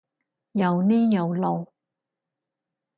又呢又路？